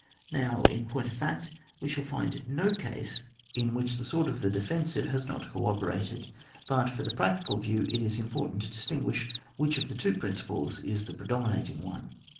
Now, in point of fact we shall find no case in which the sword of the defensive has not co operated; but, for the practical view, it is impor tant to distinguish which of the two principles is the predominating one.